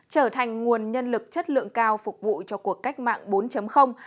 trở thành nguồn nhân lực chất lượng cao phục vụ cho cuộc cách mạng bốn